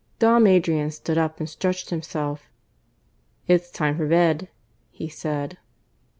Dom Adrian stood up and stretched himself. "It's time for bed," he said.